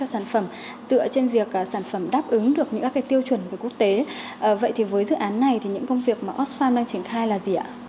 oxfam đang triển khai là gì ạ